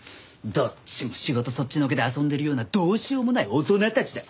どっちも仕事そっちのけで遊んでるようなどうしようもない大人たちだ。